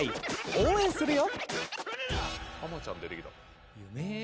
「応援するよ」